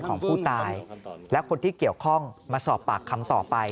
ของผู้ตายและคนที่เกี่ยวข้องมาสอบปากคำต่อไป